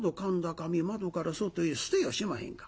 紙窓から外へ捨てやしまへんか。